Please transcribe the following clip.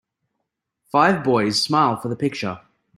five boys smile for the picture.